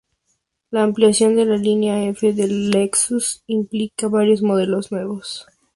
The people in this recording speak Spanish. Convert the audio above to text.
La ampliación de la línea F de Lexus implica a varios modelos nuevos.